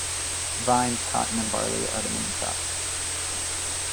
Vines, cotton and barley are the main crops.